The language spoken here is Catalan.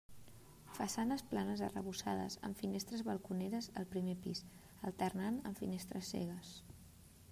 Façanes planes arrebossades amb finestres balconeres al primer pis, alternant amb finestres cegues.